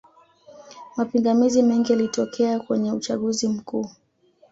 mapingamizi mengi yalitokea kwenye uchaguzi mkuu